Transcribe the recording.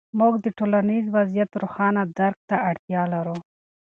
موږ د ټولنیز وضعیت روښانه درک ته اړتیا لرو.